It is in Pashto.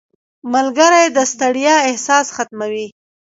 • ملګری د ستړیا احساس ختموي.